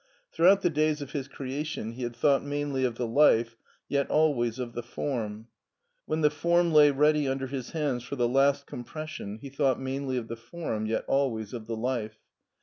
Throughout the days of his creation he had thought mainly of the life, yet always of the form. When the form lay ready under his hands for the last com pression, he thought mainly of the form, yet always of the life.